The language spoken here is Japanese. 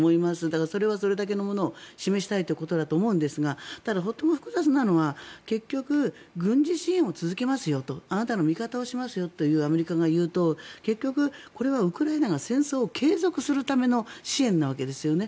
だからそれはそれだけのものを示したいということだと思いますがただ、とても複雑なのは結局、軍事支援を続けますよとあなたの味方をしますとアメリカが言うと結局これはウクライナが戦争を継続するための支援なわけですよね。